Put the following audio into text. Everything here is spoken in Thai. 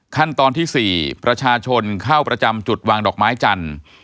ขั้นตอนที่๔ประชาชนเข้าประจำจุดวางดอกไม้จันทร์